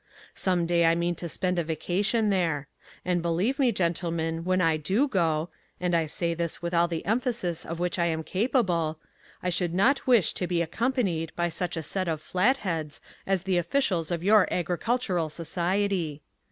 Some day I mean to spend a vacation there. And, believe me, gentlemen, when I do go, and I say this with all the emphasis of which I am capable, I should not wish to be accompanied by such a set of flatheads as the officials of your Agricultural Society.